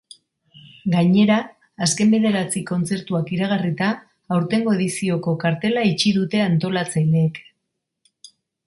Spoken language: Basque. Gainera, azken bederatzi kontzertuak iragarrita, aurtengo edizioko kartela itxi dute antolatzaileek.